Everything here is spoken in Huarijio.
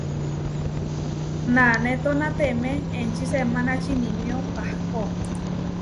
Nanétonatemé enči semánači inimió pahkó.